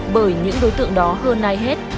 bởi những đối tượng đó hơn ai hết